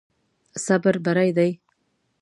صبر بری دی.